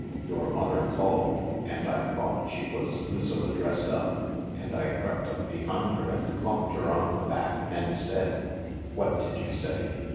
Your mother called — and I thought she was Lucilla dressed up — and I crept up behind her and clumped her on the back, and said "" What did you say